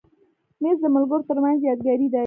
مېز د ملګرو تر منځ یادګاري دی.